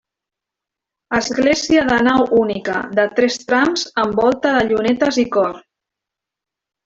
Església de nau única, de tres trams amb volta de llunetes i cor.